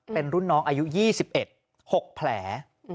เป็นรุ่นน้องอายุยี่สิบเอ็ดหกแผล